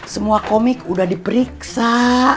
semua komik udah diperiksa